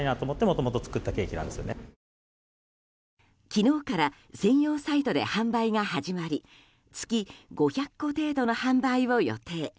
昨日から専用サイトで販売が始まり月５００個程度の販売を予定。